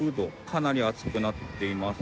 かなり熱くなっています。